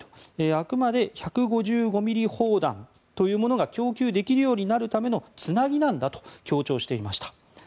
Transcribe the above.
あくまで１５５ｍｍ砲弾というものが供給できるようになるためのつなぎなんだと強調していました。